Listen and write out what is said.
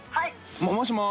もしもし。